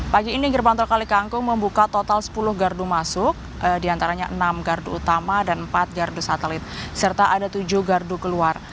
pagi ini gerbang tol kalikangkung membuka total sepuluh gardu masuk diantaranya enam gardu utama dan empat gardu satelit serta ada tujuh gardu keluar